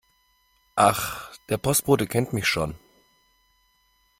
Ach, der Postbote kennt mich schon.